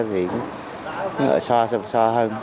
thì ở xa xa hơn